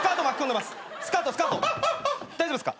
大丈夫っすか？